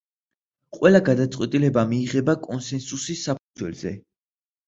ყველა გადაწყვეტილება მიიღება კონსენსუსის საფუძველზე.